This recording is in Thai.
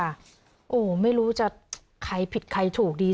โอ้โหไม่รู้จะใครผิดใครถูกดี